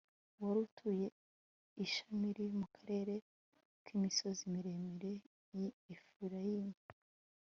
wari utuye i shamiri mu karere k'imisozi miremire y'i efurayimu